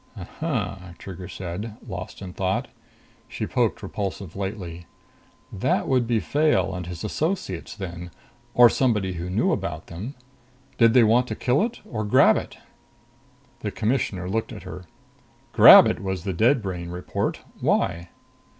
"Uh huh," Trigger said, lost in thought. She poked Repulsive lightly. "That would be Fayle and his associates then. Or somebody who knew about them. Did they want to kill it or grab it?" The Commissioner looked at her. "Grab it, was the dead brain report. Why?"